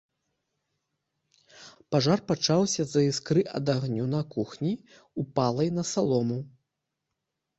Пажар пачаўся з-за іскры ад агню на кухні, упалай на салому.